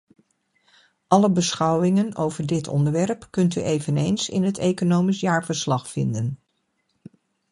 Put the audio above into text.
Alle beschouwingen over dit onderwerp kunt u eveneens in het economisch jaarverslag vinden.